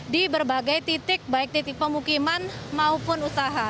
di berbagai titik baik titik pemukiman maupun usaha